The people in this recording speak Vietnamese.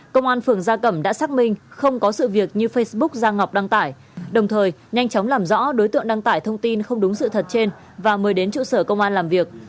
công an phường gia cẩm đã xác minh không có sự việc như facebook giang ngọc đăng tải đồng thời nhanh chóng làm rõ đối tượng đăng tải thông tin không đúng sự thật trên và mời đến trụ sở công an làm việc